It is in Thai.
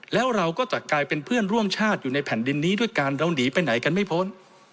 แล้วเราก็จะกลายเป็นเพื่อนร่วมชาติอยู่ในแผ่นดินนี้ด้วยกันเราหนีไปไหนกันไม่พ้น